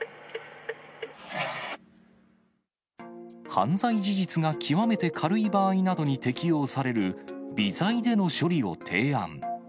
犯罪事実が極めて軽い場合などに適用される、微罪での処理を提案。